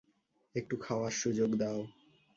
একটু খাওয়ার সুযোগ দাও।